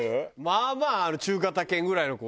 まあまあ中型犬ぐらいの。